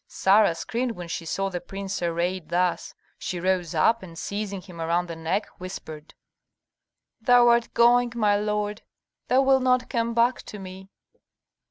Sarah screamed when she saw the prince arrayed thus. She rose up, and seizing him around the neck, whispered, "Thou art going, my lord! Thou wilt not come back to me."